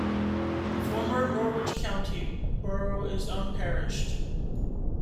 The former Norwich County Borough is unparished.